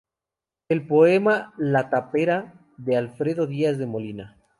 El poema "La Tapera" de Alfredo Díaz de Molina.